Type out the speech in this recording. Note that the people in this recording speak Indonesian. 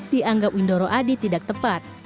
dianggap windoro adi tidak tepat